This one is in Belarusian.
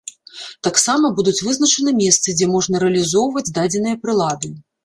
Таксама будуць вызначаны месцы, дзе можна рэалізоўваць дадзеныя прылады.